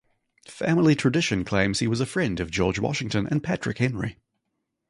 Family tradition claims he was a friend of George Washington and Patrick Henry.